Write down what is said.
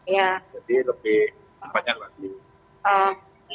jadi lebih cepatnya lagi